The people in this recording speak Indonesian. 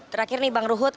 terakhir nih bang ruhut